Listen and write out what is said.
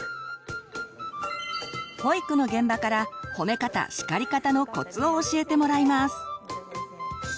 保育の現場から「褒め方・叱り方」のコツを教えてもらいます。